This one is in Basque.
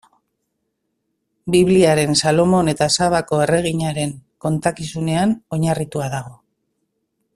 Bibliaren Salomon eta Sabako erreginaren kontakizunean oinarritua dago.